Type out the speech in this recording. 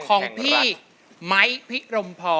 ของพี่ไม้พิรมพร